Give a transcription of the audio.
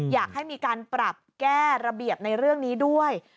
อยากให้มีการปรับแก้ระเบียบในเรื่องนี้ด้วย